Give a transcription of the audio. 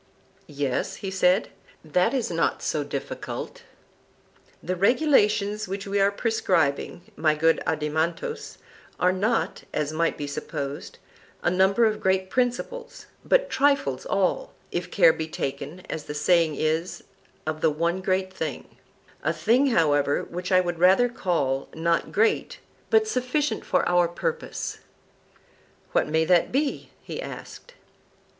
Yes, he said; that is not so difficult. The regulations which we are prescribing, my good Adeimantus, are not, as might be supposed, a number of great principles, but trifles all, if care be taken, as the saying is, of the one great thing,—a thing, however, which I would rather call, not great, but sufficient for our purpose. What may that be? he asked.